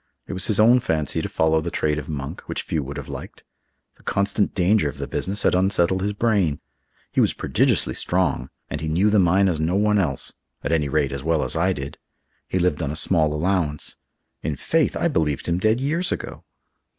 It was his own fancy to follow the trade of 'monk,' which few would have liked. The constant danger of the business had unsettled his brain. He was prodigiously strong, and he knew the mine as no one else—at any rate, as well as I did. He lived on a small allowance. In faith, I believed him dead years ago."